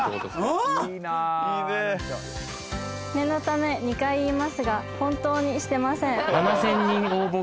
うん「念のため２回言いますが本当にしてません」